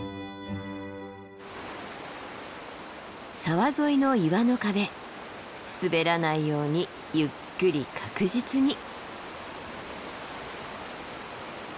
沢沿いの岩の壁滑らないようにゆっくり確実に。